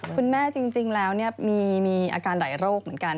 คุณแม่จริงแล้วมีอาการไหลโรคเหมือนกัน